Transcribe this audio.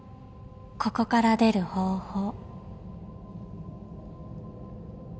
ここから出る方法。